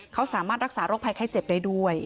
เขาสามารถรักษาโรคภัยไข้เจ็บได้ด้วย